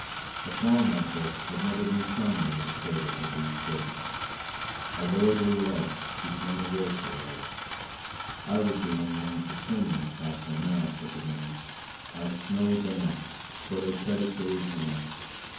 A song like this had never been sung over the cradles of these children. A lordly life became a woeful life! I was the only one to sing in the castle now," said the wind. " I snowed them up, for they said it gave warmth.